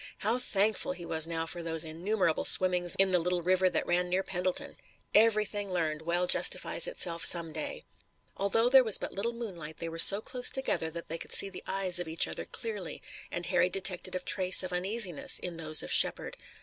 How thankful he was now for those innumerable swimmings in the little river that ran near Pendleton! Everything learned well justifies itself some day. Although there was but little moonlight they were so close together that they could see the eyes of each other clearly, and Harry detected a trace of uneasiness in those of Shepard.